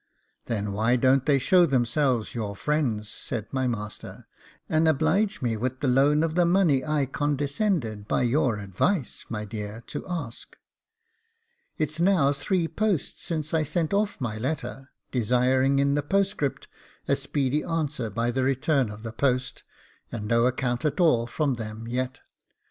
'Then why don't they show themselves your friends' said my master, 'and oblige me with the loan of the money I condescended, by your advice, my dear, to ask? It's now three posts since I sent off my letter, desiring in the postscript a speedy answer by the return of the post, and no account at all from them yet.